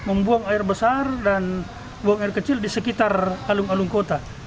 membuang air besar dan buang air kecil di sekitar alun alun kota